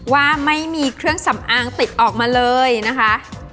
ว่าไม่มีเครื่องสำอางติดออกมาเลยนะคะ